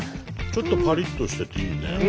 ちょっとパリッとしてていいね。